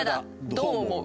どう思う？